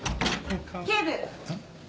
警部。